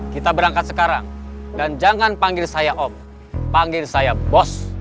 kita berangkat sekarang dan jangan panggil saya om panggil saya bos